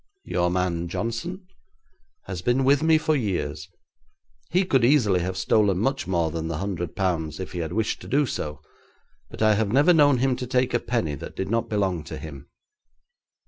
'Your man Johnson ?' 'Has been with me for years. He could easily have stolen much more than the hundred pounds if he had wished to do so, but I have never known him to take a penny that did not belong to him.'